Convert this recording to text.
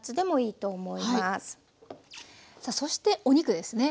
さあそしてお肉ですね。